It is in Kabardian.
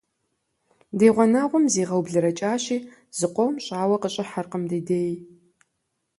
Ди гъунэгъум зигъэублэрэкӀащи, зыкъом щӀауэ къыщӀыхьэркъым ди дей.